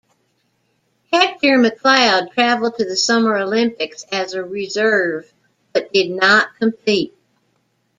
Hector McLeod travelled to the Summer Olympics as a reserve but did not compete.